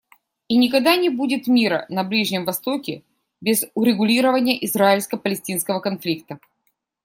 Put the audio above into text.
И никогда не будет мира на Ближнем Востоке без урегулирования израильско-палестинского конфликта.